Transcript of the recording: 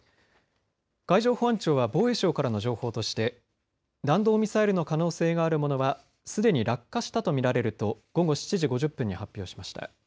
海上保安庁は防衛省からの情報として弾道ミサイルの可能性があるものはすでに落下したと見られると午後７時５０分に発表しました。